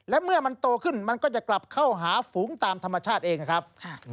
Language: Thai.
และเมื่อมันโตขึ้นมันก็จะกลับเข้าหาฝูงตามธรรมชาติเองนะครับ